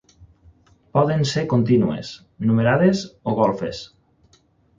Poden ser contínues, numerades o golfes.